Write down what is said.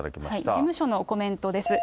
事務所のコメントです。